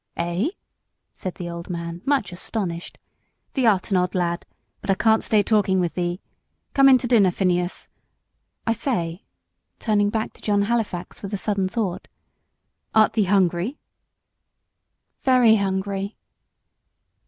"Eh!" said the old man, much astonished, "thee'rt an odd lad; but I can't stay talking with thee. Come in to dinner, Phineas. I say," turning back to John Halifax with a sudden thought, "art thee hungry?" "Very hungry."